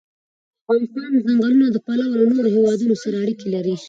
افغانستان د ځنګلونه له پلوه له نورو هېوادونو سره اړیکې لري.